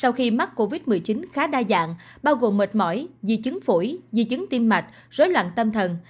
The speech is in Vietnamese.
sau khi mắc covid một mươi chín khá đa dạng bao gồm mệt mỏi di chứng phổi di chứng tim mạch rối loạn tâm thần